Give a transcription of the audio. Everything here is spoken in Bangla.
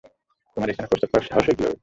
তোমার এখানে প্রস্রাব করার সাহস হয় কীভাবে?